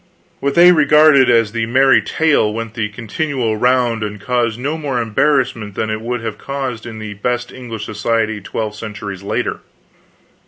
What they regarded as the merry tale went the continual round and caused no more embarrassment than it would have caused in the best English society twelve centuries later.